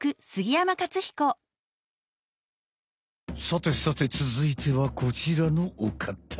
さてさてつづいてはこちらのおかた。